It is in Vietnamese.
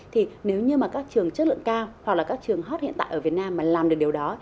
thì nếu như mà các trường chất lượng cao hoặc là các trường hot hiện tại ở việt nam mà làm được điều đó